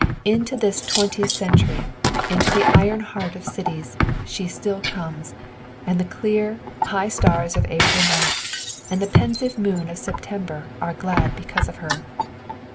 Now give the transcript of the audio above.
Into this twentieth century, into the iron heart of cities, she still comes, and the clear, high stars of April nights and the pensive moon of September are glad because of her.